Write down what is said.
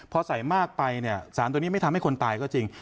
พอใส่มากไปเนี่ยสารตัวนี้ไม่ทำให้คนตายก็จริง